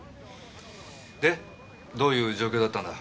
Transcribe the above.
でどういう状況だったんだ？